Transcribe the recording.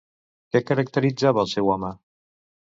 Què caracteritzava al seu home?